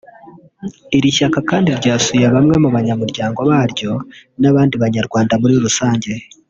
Iri shyaka kandi ryasuye bamwe mu banyamuryango baryo n’abandi banyarwanda muri rusange